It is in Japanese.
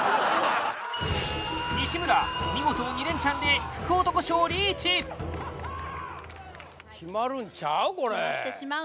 西村見事２連チャンで福男賞リーチ決まるんちゃう？